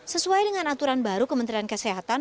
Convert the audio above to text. sesuai dengan aturan baru kementerian kesehatan